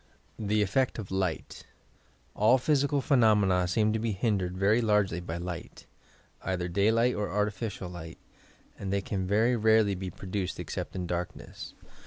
THE EFFECT OP WGHT All physical phenomena seem to be hindered very largely by light, — either daylight or artificial light, and they can very rarely be produced except in darkness.